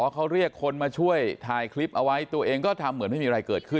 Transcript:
เขาเรียกคนมาช่วยถ่ายคลิปเอาไว้ตัวเองก็ทำเหมือนไม่มีอะไรเกิดขึ้น